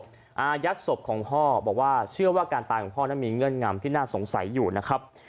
อายัดศพของพ่อบอกว่าเชื่อว่าการตายของพ่อนั้นมีเงื่อนงำที่น่าสงสัยอยู่นะครับ